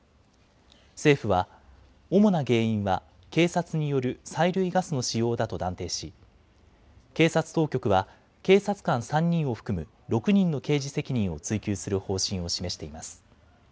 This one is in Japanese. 政府は、主な原因は警察による催涙ガスの使用だと断定し、警察当局は警察官３人を含む６人の刑事責任を追及する方針を示しています。